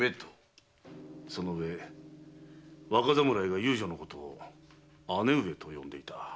そのうえ若侍が遊女のことを「姉上」と呼んでいた。